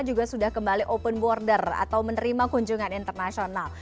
juga sudah kembali open border atau menerima kunjungan internasional